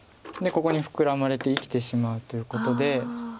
ここにフクラまれて生きてしまうということで。